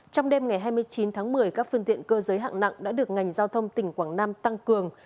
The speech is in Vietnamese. trong đêm ngày hai mươi chín tháng một mươi các phương tiện cơ giới hạng nặng đã được ngành giao thông tỉnh quảng nam tăng cường